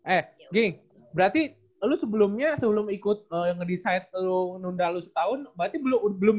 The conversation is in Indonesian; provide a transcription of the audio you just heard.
eh ging berarti lu sebelumnya sebelum ikut ngedesign lu nunda lu setahun berarti berarti berarti lu udah berhasil kan